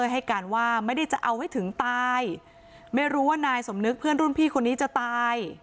ให้การว่าไม่ได้จะเอาให้ถึงตายไม่รู้ว่านายสมนึกเพื่อนรุ่นพี่คนนี้จะตาย